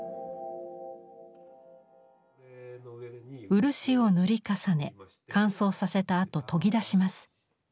漆を塗り重ね乾燥させたあと研ぎ出します。